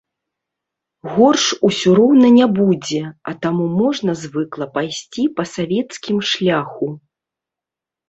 Горш усё роўна не будзе, а таму можна звыкла пайсці па савецкім шляху.